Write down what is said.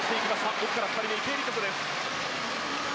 奥から２人目、池江璃花子です。